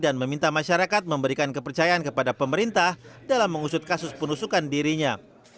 dan meminta masyarakat memberikan kepercayaan kepada pemerintah dalam mengusut kasus penusukan dirinya